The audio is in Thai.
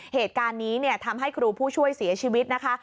เหตุการณ์นี้ทำให้ครูผู้ช่วยเสียชีวิตนะคะ